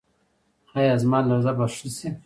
ایا زما لرزه به ښه شي؟